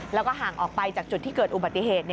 แล้วก็ห่างออกไปจากจุดที่เกิดอุบัติเหตุ